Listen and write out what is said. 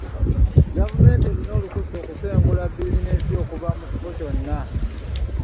Gavumenti erina olukusa okusengula bizinensi yo okuva mu kifo kyonna.